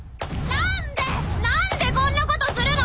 何でこんなことするの！